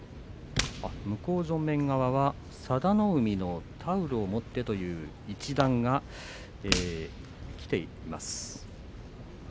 向正面側は佐田の海のタオルを持った一団が来ています。